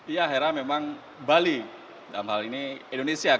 iya heran memang bali dalam hal ini indonesia